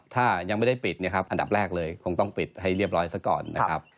ถ้ายังไม่ได้ปิดเนี่ยครับอันดับแรกเลยคงต้องปิดให้เรียบร้อยซะก่อนนะครับ